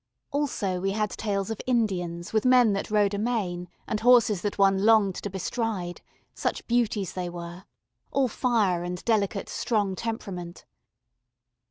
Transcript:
Also we had tales of Indians with men that rode amain, and horses that one longed to bestride, such beauties they were, all fire and delicate strong temperament.